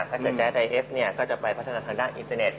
ถ้าเกิดแจ๊สไอเอฟเนี่ยก็จะไปพัฒนาทางด้านอินเตอร์เน็ต